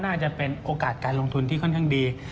น่าจะเป็นโอกาสการลงทุนที่ค่อนข้างดี